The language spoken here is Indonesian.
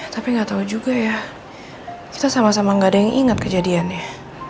tapi nggak tahu juga ya kita sama sama gak ada yang ingat kejadiannya